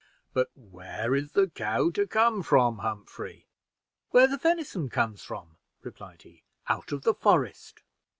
"But where is the cow to come from, Humphrey?" "Where the venison comes from," replied he: "out of the forest."